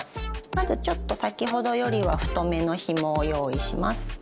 まずちょっと先ほどよりは太めのひもを用意します。